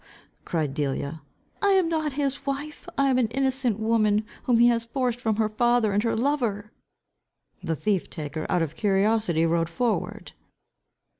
cried Delia. "I am not his wife. I am an innocent woman, whom he has forced from her father and her lover." The thief taker out of curiosity rode forward.